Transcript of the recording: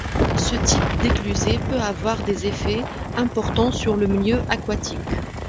Ce type d’éclusée peut avoir des effets importants sur le milieu aquatique.